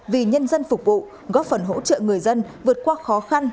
vì nhân dân phục vụ góp phần hỗ trợ người dân vượt qua khó khăn